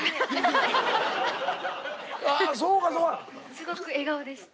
すごく笑顔でした。